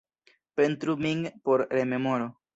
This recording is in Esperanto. Pentru min por rememoro.